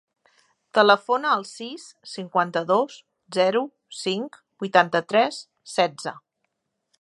Telefona al sis, cinquanta-dos, zero, cinc, vuitanta-tres, setze.